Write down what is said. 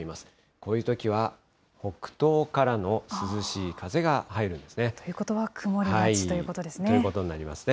こういうときは北東からの涼しいということは、曇りがちといということになりますね。